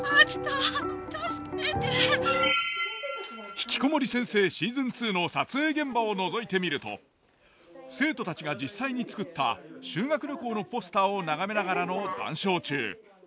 「ひきこもり先生」シーズン２の撮影現場をのぞいてみると生徒たちが実際に作った修学旅行のポスターを眺めながらの談笑中。